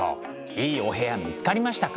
いいお部屋見つかりましたか？